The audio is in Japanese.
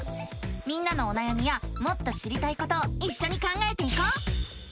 みんなのおなやみやもっと知りたいことをいっしょに考えていこう！